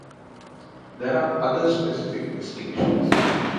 There are other specific distinctions.